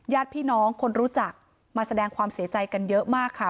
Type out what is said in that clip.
ญาติพี่น้องคนรู้จักมาแสดงความเสียใจกันเยอะมากค่ะ